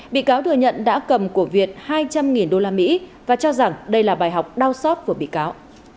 bị cáo thừa nhận đã cầm của việt hai trăm linh đô la mỹ và cho rằng đây là bài học đau sót của bị cáo